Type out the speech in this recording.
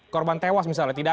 korban tewas misalnya nggak